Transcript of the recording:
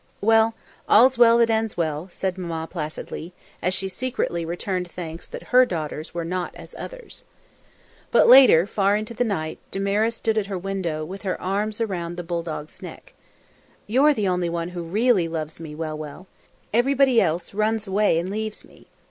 "Well, all's well that ends well," said Mamma placidly, as she secretly returned thanks that her daughters were not as others. But later, far into the night, Damaris stood at her window, with her arms round the bulldog's neck. "You're the only one who really loves me, Well Well. Everybody else run away and leaves me.